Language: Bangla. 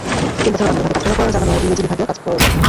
তিন বছর বাংলা বিভাগে কাজ করার পর জার্মান ও ইংরেজি বিভাগেও কাজ করেন।